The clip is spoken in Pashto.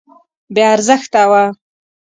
بې ارزښته وه.